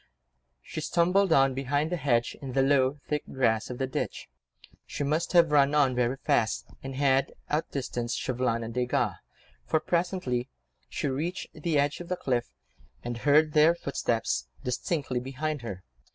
She stumbled on behind the hedge in the low, thick grass of the ditch. She must have run on very fast, and had outdistanced Chauvelin and Desgas, for presently she reached the edge of the cliff, and heard their footsteps distinctly behind her.